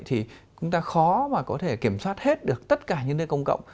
thì chúng ta khó mà có thể kiểm soát hết được tất cả những nơi công cộng